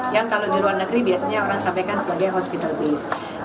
yang kalau di luar negeri biasanya orang sampaikan sebagai hospital base